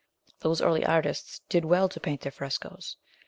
Those early artists did well to paint their frescos.